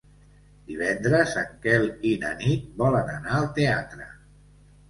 Divendres en Quel i na Nit volen anar al teatre.